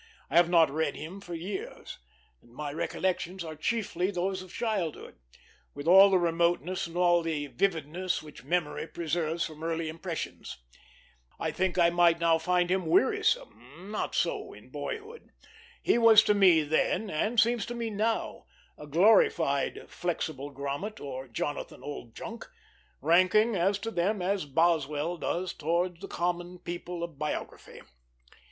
I have not read him for years; and my recollections are chiefly those of childhood, with all the remoteness and all the vividness which memory preserves from early impressions. I think I now might find him wearisome; not so in boyhood. He was to me then, and seems to me now, a glorified Flexible Grommet or Jonathan Oldjunk; ranking, as to them, as Boswell does towards the common people of biography.